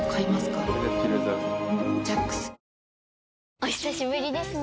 お久しぶりですね。